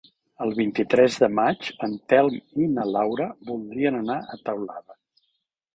El vint-i-tres de maig en Telm i na Laura voldrien anar a Teulada.